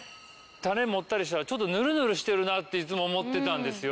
種持ったりしたらちょっとヌルヌルしてるなっていつも思ってたんですよ。